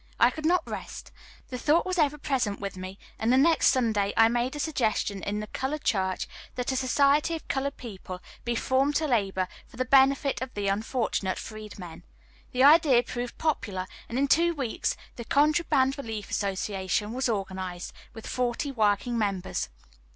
I could not rest. The thought was ever present with me, and the next Sunday I made a suggestion in the colored church, that a society of colored people be formed to labor for the benefit of the unfortunate freedmen. The idea proved popular, and in two weeks "the Contraband Relief Association" was organized, with forty working members.